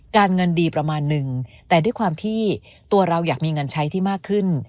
การเงินดีประมาณนึงแต่ด้วยความที่ตัวเราอยากมีเงินใช้ที่มากขึ้น